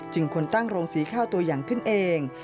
ควรตั้งโรงสีข้าวตัวอย่างขึ้นเอง